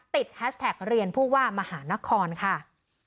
แฮชแท็กเรียนผู้ว่ามหานครค่ะ